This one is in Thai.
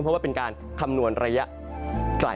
เพราะว่าเป็นการคำนวณระยะไกล